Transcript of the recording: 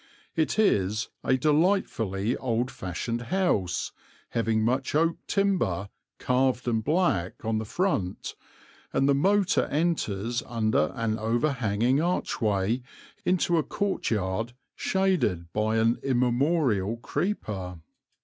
It is a delightfully old fashioned house, having much oak timber, carved and black, on the front, and the motor enters under an overhanging archway into a courtyard shaded by an immemorial creeper.